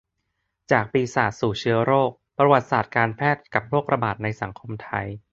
จากปีศาจสู่เชื้อโรค : ประวัติศาสตร์การแพทย์กับโรคระบาดในสังคมไทย